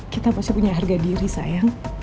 kita pasti punya harga diri sayang